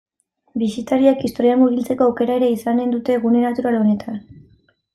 Bisitariek historian murgiltzeko aukera ere izanen dute gune natural honetan.